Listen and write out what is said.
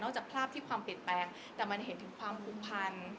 จากภาพที่ความเปลี่ยนแปลงแต่มันเห็นถึงความผูกพัน